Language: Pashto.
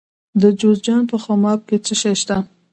د جوزجان په خماب کې څه شی شته؟